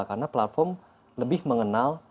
karena platform lebih mengenal